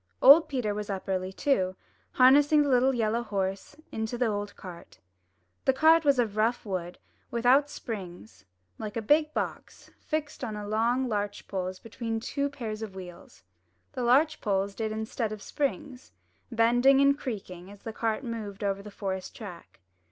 Old Peter was up early too, harnessing the little yellow horse into the old cart. The cart was of rough wood, without springs, like a big box fixed on long 222 UP ONE PAIR OF STAIRS larch poles between two pairs of wheels. The larch poles did instead of springs, bending and creaking, as the cart moved over the forest track.